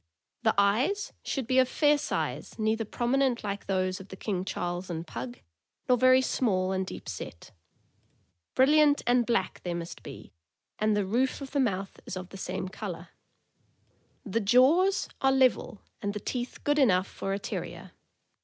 The eyes should be of fair size, neither prominent like those of the King Charles and Pug, nor very small and deep set. Brilliant and black they must be, and the roof of the mouth is of the same color. The jaws are level, and the teeth good enough for a Terrier.